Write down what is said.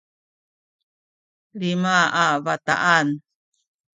lima a bataan